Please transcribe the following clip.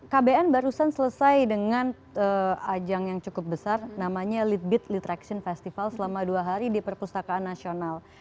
kbn barusan selesai dengan ajang yang cukup besar namanya lit beat litraction festival selama dua hari di perpustakaan nasional